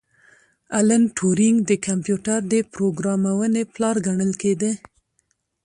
الن ټورینګ د کمپیوټر د پروګرامونې پلار ګڼل کیده